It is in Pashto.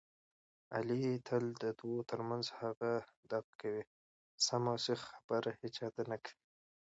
علي تل د دوو ترمنځ هغه دغه کوي، سمه اوسیخه خبره هېچاته نه کوي.